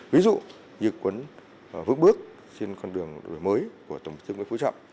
ví dụ như cuốn vước bước trên con đường đổi mới của tổng thống tướng nguyễn phú trọng